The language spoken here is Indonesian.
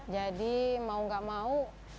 jadi mau nggak mau